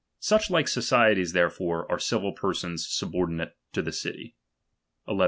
Such Uke societies, there fore, are civil persons subordinate to the city. 1 1